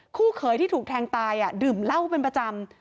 คู่เขยที่ถูกแทงตายดื่มเหล้าเป็นประจำ